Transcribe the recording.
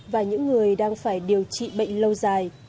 và những người đang phải điều trị bệnh lâu dài